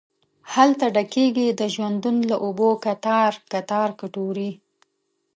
هلته ډکیږې د ژوندون له اوبو کتار، کتار کټوري